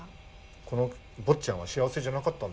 この坊っちゃんは幸せじゃなかったんです。